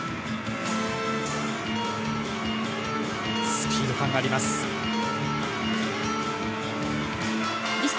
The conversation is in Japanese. スピード感があります。